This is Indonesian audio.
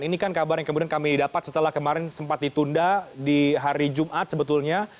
ini kan kabar yang kemudian kami dapat setelah kemarin sempat ditunda di hari jumat sebetulnya